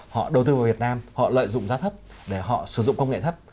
họ đầu tư vào việt nam họ lợi dụng giá thấp để họ sử dụng công nghệ thấp